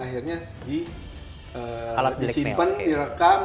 akhirnya disimpen direkam